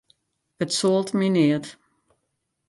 It soalt my neat.